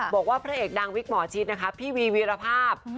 บอกว่าเผยดังวิกหมอชิดภีร์วีรภาพ